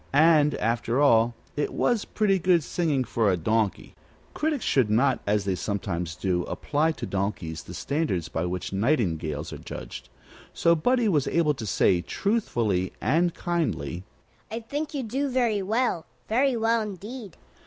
And, after all, it was pretty good singing for a donkey. Critics should not, as they sometimes do, apply to donkeys the standards by which nightingales are judged. So Buddie was able to say, truthfully and kindly: "I think you do very well; very well, indeed."